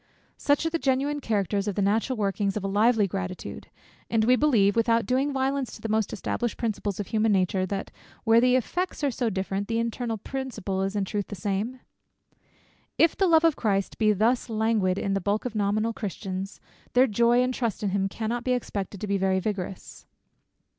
Such are the genuine characters, such the natural workings of a lively gratitude. And we believe, without doing violence to the most established principles of human nature, that where the effects are so different, the internal principle is in truth the same? If the love of Christ be thus languid in the bulk of nominal Christians, their joy and trust in him cannot be expected to be very vigorous.